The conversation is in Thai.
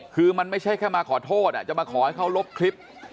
คือมันไม่ใช่แค่มาขอโทษจะมาขอให้เขาลบคลิป